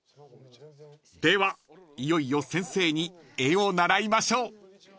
［ではいよいよ先生に絵を習いましょう］